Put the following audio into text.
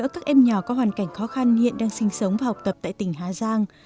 các em nhỏ có hoàn cảnh khó khăn hiện đang sinh sống và học tập tại tỉnh hà giang